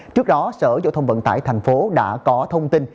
trước đó sở giao thông vận tải tp hcm đã có thông tin